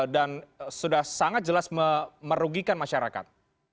dan sudah sangat jelas merugikan masyarakat